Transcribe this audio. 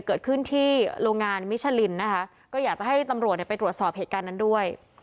เกิดขึ้นที่โรงงานมิชลินนะคะก็อยากจะให้ตำรวจไปตรวจสอบเหตุการณ์นั้นด้วย